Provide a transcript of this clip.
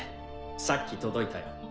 さっき届いたよ。